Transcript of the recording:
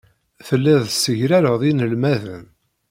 Telliḍ tessegrareḍ inelmaden.